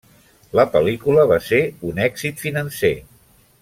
La pel·lícula va ser un èxit financer.